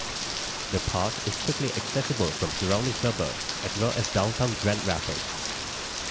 "The Park" is quickly accessible from surrounding suburbs, as well as downtown Grand Rapids.